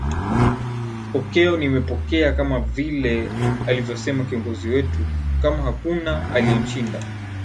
okeo nimepokea kama vile alivyosema kiongozi wetu kama hakuna aliyemshinda